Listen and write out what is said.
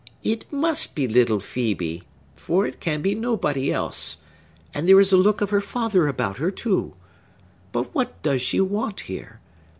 "It must be little Phœbe; for it can be nobody else,—and there is a look of her father about her, too! But what does she want here?